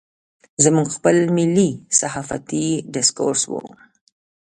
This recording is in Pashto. زموږ خپل ملي صحافتي ډسکورس و.